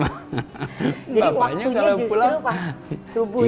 jadi waktunya justru pas subuh ya pak ya